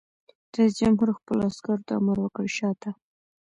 رئیس جمهور خپلو عسکرو ته امر وکړ؛ شاته!